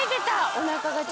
おなかが。